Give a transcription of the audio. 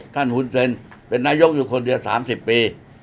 ท่านฮุนเซนเป็นนายกอีกคนเดียว๓๐ปี